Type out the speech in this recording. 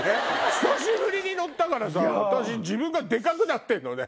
久しぶりに乗ったからさ私自分がでかくなってんのね。